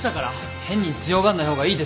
変に強がんない方がいいです。